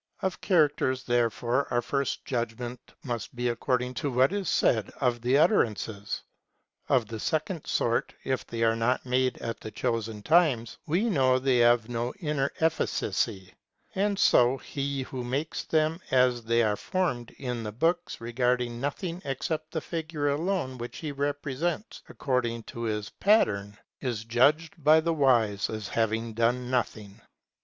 Of characters, therefore, our first judgment must be according to what is said of the utterances. Of the second sort, if they are not made at the chosen times, we know they 348 THE NON EXISTENCE OF MAGIC. have no inner efficacy ; and so, he who makes them as they are formed in the books, regarding nothing except the figure alone which he represents according to his pattern, is judged by the wise as having done nothing.